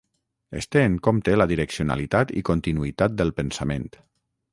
Es té en compte la direccionalitat i continuïtat del pensament.